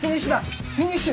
フィニッシュ。